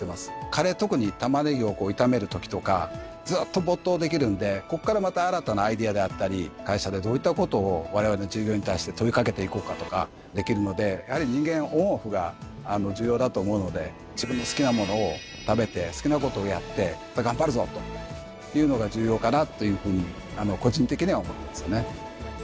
カレー特にタマネギを炒めるときとかずっと没頭できるんでこっからまた新たなアイデアであったり会社でどういったことをわれわれの従業員に対して問い掛けていこうかとかできるのでやはり人間オンオフが重要だと思うので自分の好きな物を食べて好きなことをやって頑張るぞというのが重要かなというふうに個人的には思ってますよね。